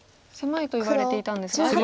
狭いといわれていたんですが。